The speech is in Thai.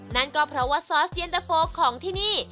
นั่นก็เพราะว่าซอสเย็นตะโฟของที่นี่